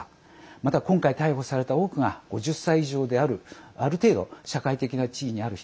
また、今回、逮捕された多くが５０歳以上であるある程度、社会的な地位にある人